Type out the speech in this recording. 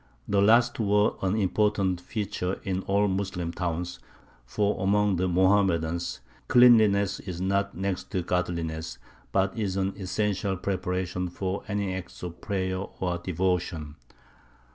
The last were an important feature in all Moslem towns, for among the Mohammedans cleanliness is not "next to godliness," but is an essential preparation for any act of prayer or devotion.